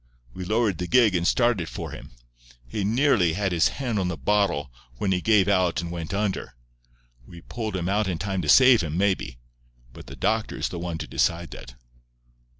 We lowered the gig and started for him. He nearly had his hand on the bottle, when he gave out and went under. We pulled him out in time to save him, maybe; but the doctor is the one to decide that."